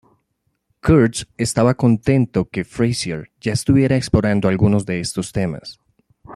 Kurtz estaba contento que Frazier ya estuviera explorando algunos de estos temas.